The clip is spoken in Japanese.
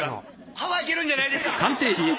ハワイ行けるんじゃないですか。